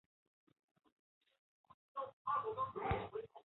圣伊莱尔拉格拉韦勒。